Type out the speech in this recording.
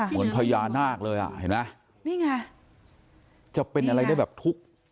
เหมือนพญานาคเลยอ่ะเห็นไหมนี่ไงจะเป็นอะไรได้แบบทุกข์